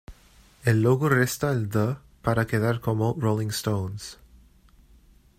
El logo resta el "The" para quedar como "Rolling Stones".